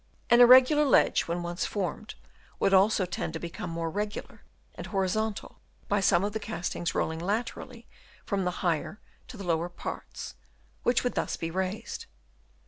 An irregular ledge when once formed would also tend to become more regular and horizontal by some of the castings rolling laterally from the higher to the lower parts, which would thus be raised.